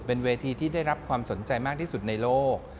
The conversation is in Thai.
เป็นเวทีที่ได้รับความสนใจมากที่สุดในโลก